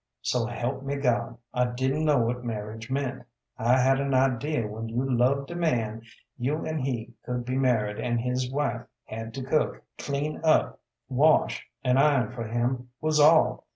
So help me God, I didn't know what marriage meant. I had an idea when you loved de man, you an' he could be married an' his wife had to cook, clean up, wash, an' iron fer him was all.